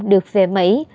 được về mỹ